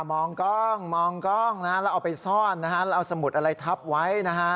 มองกล้องมองกล้องนะแล้วเอาไปซ่อนนะฮะแล้วเอาสมุดอะไรทับไว้นะฮะ